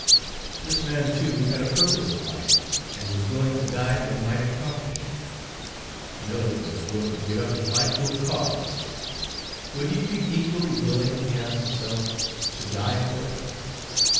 This man, too, had a purpose in life, and was willing to die that he might accomplish it. Miller was willing to give up his life to a cause. Would he be equally willing, he asked himself, to die for it?